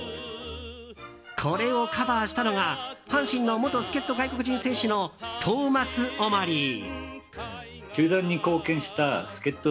これをカバーしたのが阪神の元助っ人外国人選手のトーマス・オマリー。